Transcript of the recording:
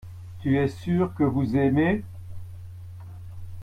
tu es sûr que vous aimez.